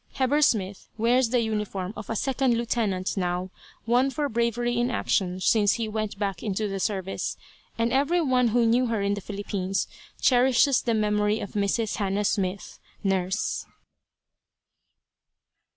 Heber Smith wears the uniform of a second lieutenant, now, won for bravery in action since he went back into the service; and every one who knew her in the Philippines, cherishes the memory of Mrs. Hannah Smith; Nurse.